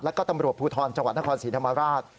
และก็ตำรวจภูทรจังหวัดนครศศศ